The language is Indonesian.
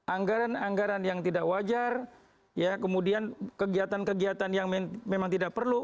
anggaran anggaran yang tidak wajar kemudian kegiatan kegiatan yang memang tidak perlu